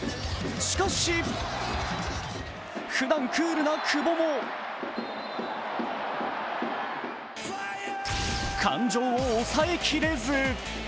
しかしふだんクールな久保も感情を抑えきれず。